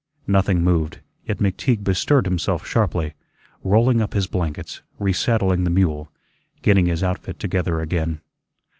Nothing moved; yet McTeague bestirred himself sharply, rolling up his blankets, resaddling the mule, getting his outfit together again.